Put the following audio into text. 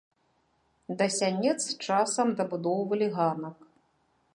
Да сянец часам дабудоўвалі ганак.